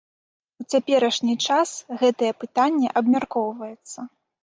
У цяперашні час гэтае пытанне абмяркоўваецца.